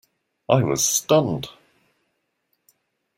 I was stunned.